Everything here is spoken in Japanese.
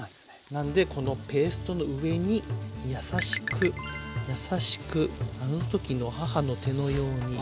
なんでこのペーストの上に優しく優しくあの時の母の手のように。